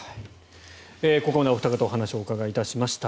ここまでお二方にお話を伺いました。